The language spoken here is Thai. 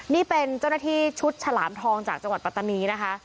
นี่เป็นเจ้าหน้าที่ชุดฉลามทองจากจังหวัดปัตตานีนะคะ